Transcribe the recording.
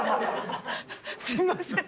すいません。